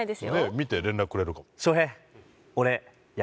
見て連絡くれるかも・